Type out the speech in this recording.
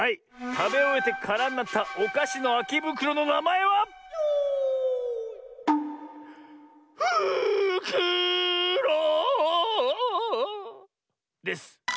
たべおえてからになったおかしのあきぶくろのなまえは「ふくろ」です。